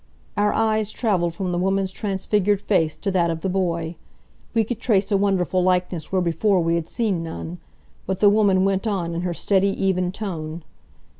Our eyes traveled from the woman's transfigured face to that of the boy. We could trace a wonderful likeness where before we had seen none. But the woman went on in her steady, even tone.